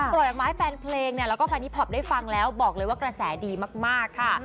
ปล่อยออกมาให้แฟนเพลงเนี่ยแล้วก็แพนิพอปได้ฟังแล้วบอกเลยว่ากระแสดีมากค่ะ